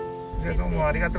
どうもありがとう。